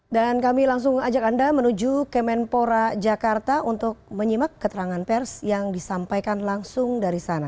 dan kami langsung ajak anda menuju kemenpora jakarta untuk menyimak keterangan pers yang disampaikan langsung dari sana